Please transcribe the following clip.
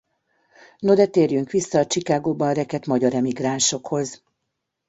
No de térjünk vissza a Chicagóban rekedt magyar emigránsokhoz.